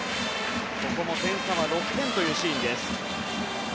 点差は６点というシーンです。